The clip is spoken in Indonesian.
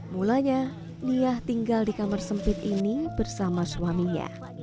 mulanya niah tinggal di kamar sempit ini bersama suaminya